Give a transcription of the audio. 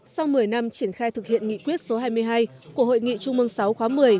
sau một mươi năm triển khai thực hiện nghị quyết số hai mươi hai của hội nghị trung mương sáu khóa một mươi